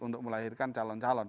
untuk melahirkan calon calon